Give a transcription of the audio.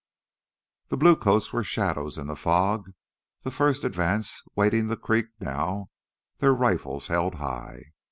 The blue coats were shadows in the fog, the first advance wading the creek now, their rifles held high.